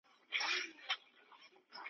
لا سلمان یې سر ته نه وو درېدلی ,